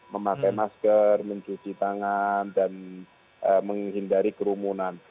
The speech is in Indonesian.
memakai masker mencuci tangan dan menghindari kerumunan